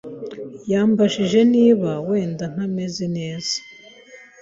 Yambajije niba wenda ntameze neza.